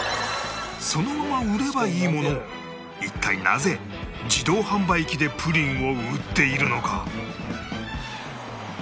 そのまま売ればいいものを一体なぜ自動販売機でプリンを売っているのか？